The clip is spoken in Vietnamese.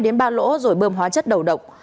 từ hai đến ba lỗ rồi bơm hóa chất đầu độc